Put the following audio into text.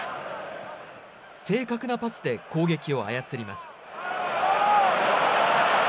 正確なパスで攻撃を操ります。